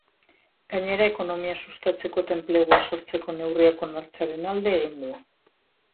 Gainera, ekonomia sustatzeko eta enplegua sortzeko neurriak onartzearen alede egin du.